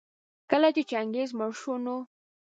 کله چي چنګېز مړ شو نو